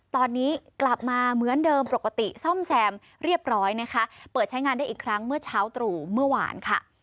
ตอนนี้กลับมาเหมือนเดิมปกติซ่อมแซมเรียบร้อยนะคะเปิดใช้งานได้อีกครั้งเมื่อเช้าตรู่เมื่อวานค่ะ